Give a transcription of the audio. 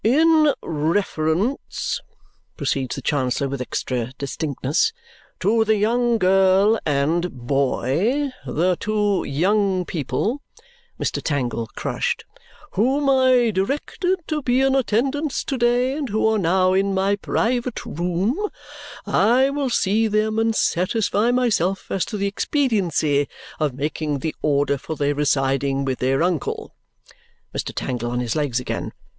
"In reference," proceeds the Chancellor with extra distinctness, "to the young girl and boy, the two young people" Mr. Tangle crushed "whom I directed to be in attendance to day and who are now in my private room, I will see them and satisfy myself as to the expediency of making the order for their residing with their uncle." Mr. Tangle on his legs again.